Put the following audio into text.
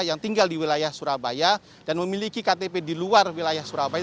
yang tinggal di wilayah surabaya dan memiliki ktp di luar wilayah surabaya